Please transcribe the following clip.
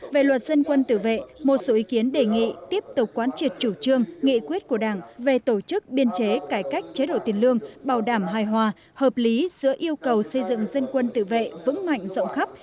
về luật dân quân tử vệ một số ý kiến đề nghị tiếp tục quan triệt chủ trương nghị quyết của đảng về tổ chức biên chế cải cách chế độ tiền lương bảo đảm hài hòa hợp lý giữa yêu cầu xây dựng dân quân tự vệ vững mạnh rộng khắp